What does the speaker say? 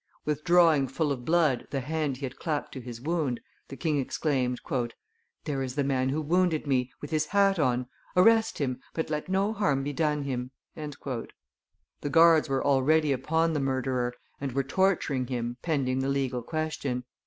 Withdrawing full of blood the hand he had clapped to his wound, the king exclaimed, "There is the man who wounded me, with his hat on; arrest him, but let no harm be done him!" The guards were already upon the murderer and were torturing him pending the legal question.